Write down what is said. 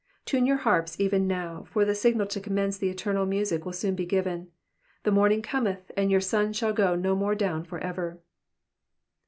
Tune your harps even now, for the signal to commence the eternal music will soon be given ; the morning cometh and youi' sun shall go no more down for ever.